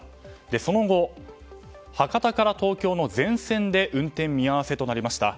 その後、博多から東京の全線で運転見合わせとなりました。